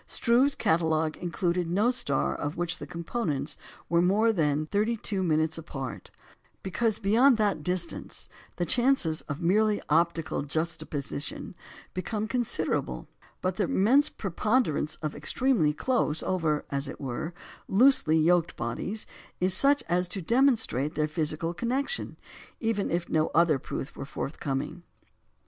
Struve's catalogue included no star of which the components were more than 32" apart, because beyond that distance the chances of merely optical juxtaposition become considerable; but the immense preponderance of extremely close over (as it were) loosely yoked bodies is such as to demonstrate their physical connection, even if no other proof were forthcoming.